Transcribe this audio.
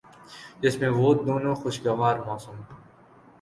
جس میں وہ دونوں خوشگوار موسم